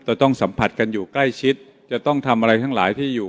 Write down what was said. จะต้องสัมผัสกันอยู่ใกล้ชิดจะต้องทำอะไรทั้งหลายที่อยู่